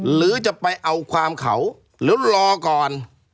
หรือจะไปเอาความเขาหรือรอก่อน